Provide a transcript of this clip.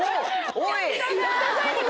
おい！